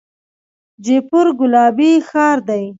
جیپور ګلابي ښار دی.